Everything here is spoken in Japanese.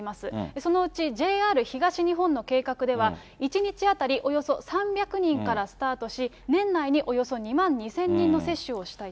そのうちＪＲ東日本の計画では、１日当たりおよそ３００人からスタートし、年内におよそ２万２０００人の接種をしたいと。